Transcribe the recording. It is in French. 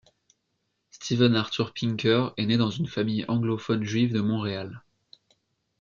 Steven Arthur Pinker est né dans une famille anglophone juive de Montréal.